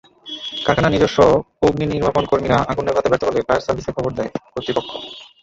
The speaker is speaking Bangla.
কারখানার নিজস্ব অগ্নিনির্বাপণকর্মীরা আগুন নেভাতে ব্যর্থ হলে ফায়ার সার্ভিসে খবর দেয় কর্তৃপক্ষ।